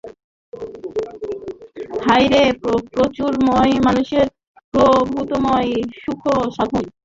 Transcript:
হায় রে, প্রচুরতম মানুষের প্রভূততম সুখসাধন!